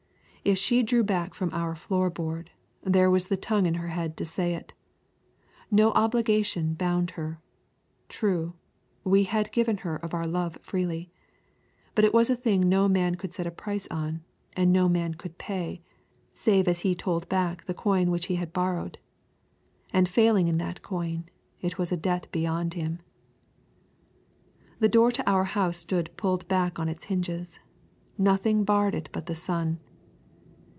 If she drew back from our floorboard, there was the tongue in her head to say it. No obligation bound her. True, we had given her of our love freely. But it was a thing no man could set a price on, and no man could pay, save as he told back the coin which he had borrowed. And failing in that coin, it was a debt beyond him. The door to our house stood pulled back on its hinges. Nothing barred it but the sun.